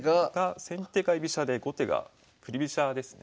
先手が居飛車で後手が振り飛車ですね。